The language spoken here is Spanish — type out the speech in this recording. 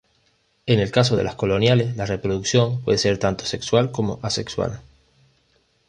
En el caso de las coloniales, la reproducción puede ser tanto sexual como asexual.